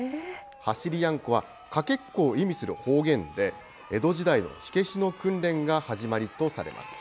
走りやんこは、かけっこを意味する方言で、江戸時代の火消しの訓練が始まりとされます。